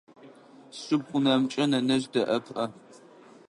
Сшыпхъу унэмкӏэ нэнэжъ дэӏэпыӏэ.